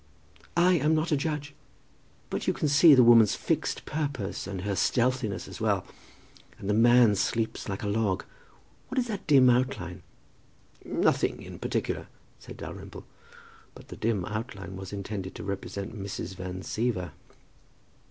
"I am not a judge." "But you can see the woman's fixed purpose; and her stealthiness as well; and the man sleeps like a log. What is that dim outline?" "Nothing in particular," said Dalrymple. But the dim outline was intended to represent Mrs. Van Siever.